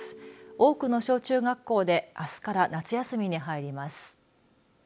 多くの小中学校で、あすから夏休みに入ります。